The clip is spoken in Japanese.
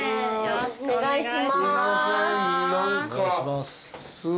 よろしくお願いします。